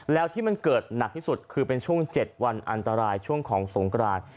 แล้วที่มันเกิดหนักที่สุดคือเป็นช่วง๗วันอันตรายช่วงของสงกราน